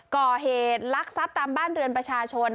ก่อเหตุลักษัพตามบ้านเรือนประชาชน